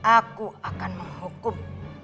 aku akan menghukum